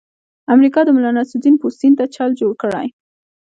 امریکا د ملانصرالدین پوستین ته چل جوړ کړی.